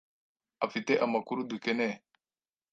afite amakuru dukeneye.